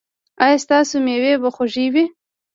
ایا ستاسو میوې به خوږې وي؟